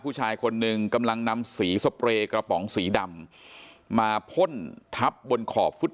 ผู้ชายคนหนึ่งกำลังนำสีสเปรย์กระป๋องสีดำมาพ่นทับบนขอบฟุต